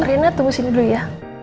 rina tunggu sini dulu ya